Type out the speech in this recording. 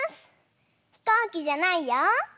ひこうきじゃないよ。